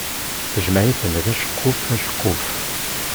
Tejmeɛ-iten-d aceqquf aceqquf.